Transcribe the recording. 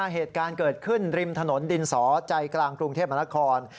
เหตุการณ์เกิดขึ้นริมถนนดินสอใจกลางกรุงเทพมนาคม